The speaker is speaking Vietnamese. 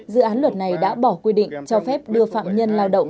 dự án luật này đã bỏ quy định cho phép đưa phạm nhân lao động